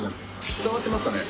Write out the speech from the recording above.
伝わってますかね？